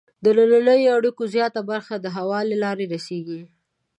د دنننیو اړیکو زیاته برخه د هوا له لارې رسیږي.